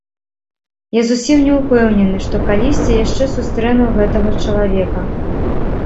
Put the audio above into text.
Я зусім не ўпэўнены, што калісьці яшчэ сустрэну гэтага чалавека.